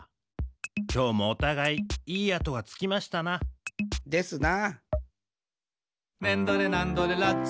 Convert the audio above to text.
きょうもおたがいいい跡がつきましたな。ですな。